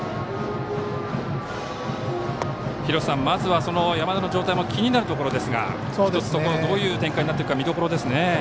まずは山田の状態も気になるところですがどういう展開になっていくか見どころですね。